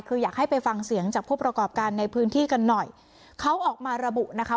คืออยากให้ไปฟังเสียงจากผู้ประกอบการในพื้นที่กันหน่อยเขาออกมาระบุนะคะ